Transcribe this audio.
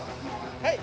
はい。